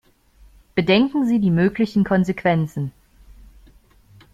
Bedenken Sie die möglichen Konsequenzen.